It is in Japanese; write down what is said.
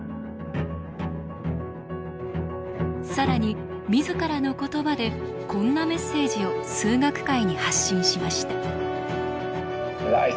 更に自らの言葉でこんなメッセージを数学界に発信しました。